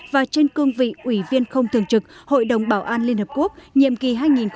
và trên cương vị ủy viên không thường trực hội đồng bảo an liên hợp quốc nhiệm kỳ hai nghìn hai mươi hai nghìn hai mươi một